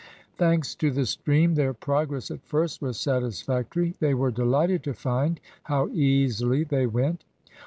Thanks to the stream, their progress at first was satisfactory. They were delighted to find how easily they went.